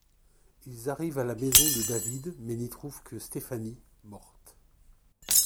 Ils arrivent à la maison de David mais n'y trouvent que Stephanie, morte.